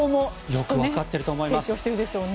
よくわかっていると思います。